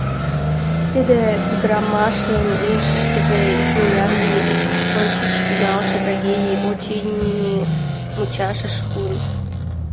— Тиде ӱдрамашын илышыштыже икмыняр ий ончыч тӱҥалше трагедий, очыни, мучашыш шуын.